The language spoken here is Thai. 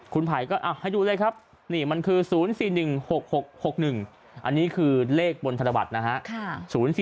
คุณไผ่ก็ให้ดูเลยครับนี่มันคือ๐๔๑๖๖๑อันนี้คือเลขบนธนบัตรนะฮะ